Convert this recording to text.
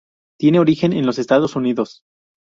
Tiene origen en los Estados Unidos.